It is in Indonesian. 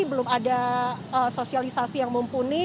belum ada sosialisasi yang mumpuni